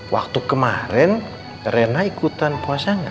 waktu kemarin rena ikutan puasa gak